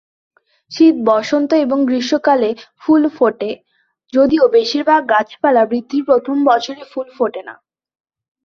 শীত, বসন্ত এবং গ্রীষ্মকালে ফুল ফোটে, যদিও বেশিরভাগ গাছপালা বৃদ্ধির প্রথম বছরে ফুল ফোটে না।